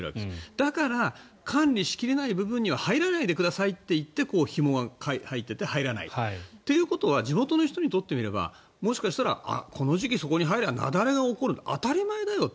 だから、管理しきれない部分には入らないでくださいっていってひもが入ってて、入らない。ということは地元の人にとってみればもしかしたらこの時期そこに入れば雪崩が起きるのは当たり前だよと。